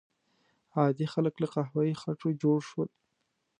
عادي خلک له قهوه یي خټو جوړ شول.